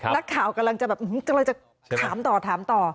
นักข่าวกำลังจะแบบจะถามต่อ